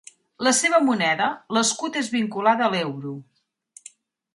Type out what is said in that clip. La seva moneda, l'escut és vinculada a l'euro.